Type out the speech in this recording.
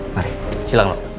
mari silahkan lo